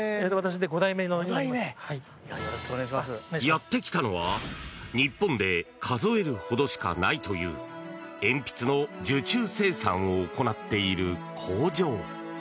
やってきたのは日本で数えるほどしかないという鉛筆の受注生産を行っている工場。